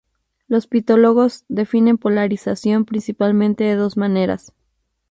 Los politólogos definen polarización principalmente de dos maneras.